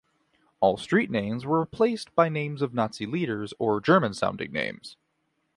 All street names were replaced by names of Nazi leaders or German sounding names.